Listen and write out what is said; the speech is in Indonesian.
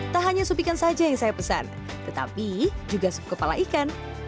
tak hanya sup ikan saja yang saya pesan tetapi juga sup kepala ikan